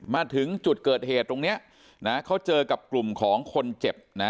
มาถึงจุดเกิดเหตุตรงนี้นะเขาเจอกับกลุ่มของคนเจ็บนะ